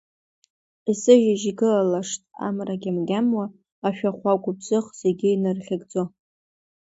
Есышьыжь игылалашт амра гьамгьамуа, ашәахәа гәыбзыӷ зегьы инархьыгӡо.